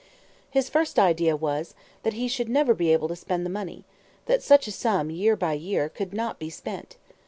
His first idea was, that he should never be able to spend the money; that such a sum, year by year, could not be spent.